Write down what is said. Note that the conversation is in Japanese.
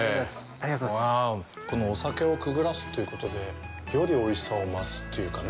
このお酒をくぐらすということで、よりおいしさが増すというかね。